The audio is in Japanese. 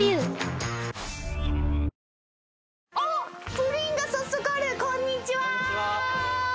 プリンが早速あるこんにちはこんにちは